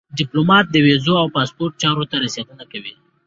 ډيپلومات د ویزو او پاسپورټ چارو ته رسېدنه کوي.